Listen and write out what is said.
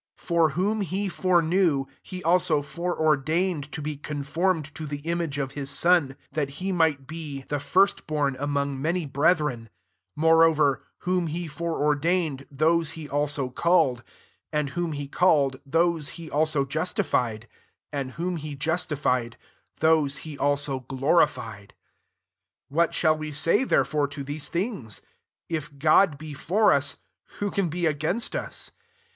29 For whom he foreknew, he also foreordained to be con formed to the image of his Son, that he might be the first born ROMANS IX. among many brethren: 30 moreover, whom he foreordain ed, those he also called ; and whom he called, those he also justified^ and whom he justified, those he also glorified* 31 What shall we say, there fore, to these things ? If God be £br us, who can be against us